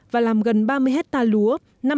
và làm gần ba mươi hecta lúa